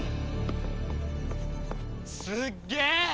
すっげえ！